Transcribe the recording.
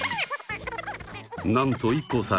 なんとＩＫＫＯさん